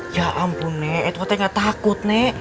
ya ampun nek edwardnya nggak takut nek